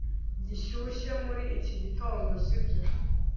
Gishyushye muri iki gitondo sibyo